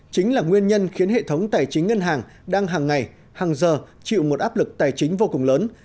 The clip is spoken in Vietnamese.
chính là nguyên nhân khiến hệ thống tài chính ngân hàng đang hàng ngày hàng giờ chịu một áp lực tài chính vô cùng lớn